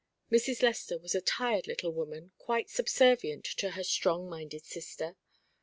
Mrs. Lester was a tired little woman, quite subservient to her strong minded sister.